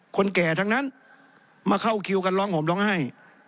คนแก่ทั้งนั้นมาเข้าคิวกันร้องห่มร้องไห้